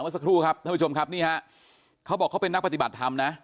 สักครู่ครับท่านผู้ชมครับนี่ฮะเขาบอกเขาเป็นนักปฏิบัติธรรมนะ